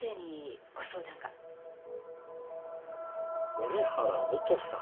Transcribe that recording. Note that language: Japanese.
折原美都さん。